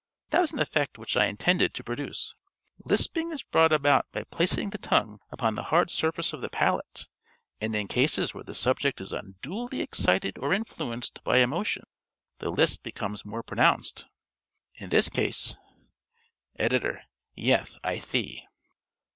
That was an effect which I intended to produce. Lisping is brought about by placing the tongue upon the hard surface of the palate, and in cases where the subject is unduly excited or influenced by emotion the lisp becomes more pronounced. In this case _ ~Editor.~ _Yeth, I thee.